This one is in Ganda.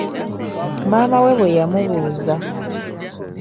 Maama we bwe yamubuuza.